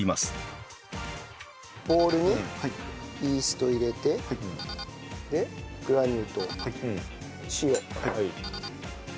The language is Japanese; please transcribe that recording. ボウルにイースト入れてでグラニュー糖塩。で卵混ぜる。